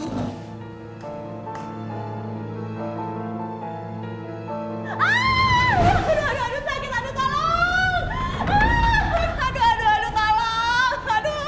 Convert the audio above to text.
aduh aduh aduh aduh sakit aduh tolong